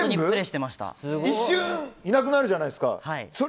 一瞬いなくなるじゃないですか。